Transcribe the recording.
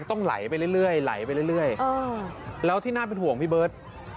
ต้องไหลไปเรื่อยไหลไปเรื่อยแล้วที่น่าเป็นห่วงพี่เบิร์ต